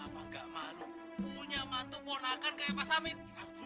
punya mantu ponakan kayak pasamin